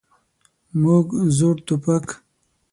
موږ زوړ ټوپک.